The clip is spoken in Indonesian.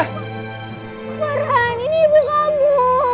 farhan ini ibu kamu